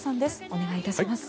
お願いいたします。